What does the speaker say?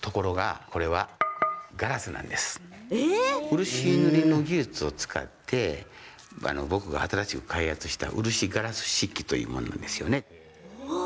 漆塗りの技術を使って僕が新しく開発した漆ガラス漆器というものなんですよね。